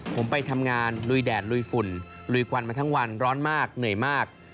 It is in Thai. ผมไปทำงานลุยแดดลุยฝุ่นลุยควันมาทั้งวันร้อนมากเหนื่อยมาก